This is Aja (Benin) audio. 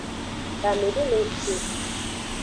Game de le ng shi o.